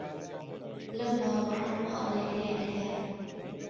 لەو باوەڕەم هەڵەیەک لێرە هەیە.